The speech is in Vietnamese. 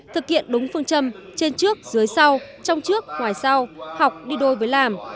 thực hiện đúng phương châm trên trước dưới sau trong trước ngoài sau học đi đôi với làm